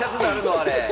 あれ。